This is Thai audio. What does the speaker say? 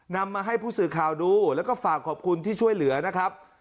นำมาให้ผู้สื่อข่าวดูแล้วก็ฝากขอบคุณที่ช่วยเหลือนะครับ